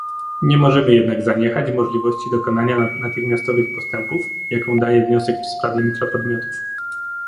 Nie możemy jednak zaniechać możliwości dokonania natychmiastowych postępów, jaką daje wniosek w sprawie mikropodmiotów